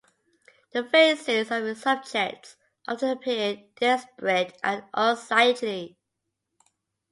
The faces of his subjects often appeared desperate and unsightly.